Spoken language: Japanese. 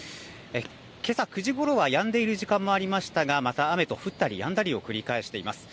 けさ９時ごろはやんでいる時間もありましたが、また雨と降ったりやんだりを繰り返しています。